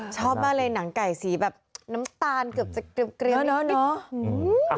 ชอบมากเลยหนังไก่สีแบบน้ำตาลเกือบจะเกรี้ยวเนอะ